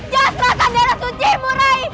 jasrahkan darah sucimu rai